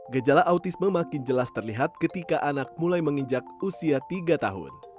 gejala autisme makin jelas terlihat ketika anak mulai menginjak usia tiga tahun